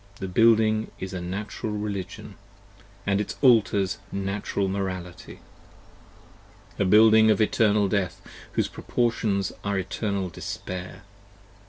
The Building is Natural Religion & its Altars Natural Morality: A building of eternal death, whose proportions are eternal despair.